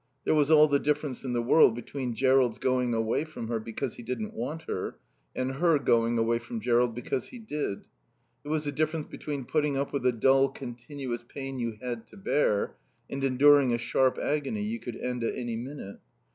There was all the difference in the world between Jerrold's going away from her because he didn't want her, and her going away from Jerrold because he did. It was the difference between putting up with a dull continuous pain you had to bear, and enduring a sharp agony you could end at any minute.